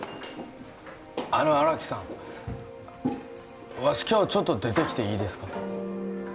あの荒木さんわし今日ちょっと出てきていいですか？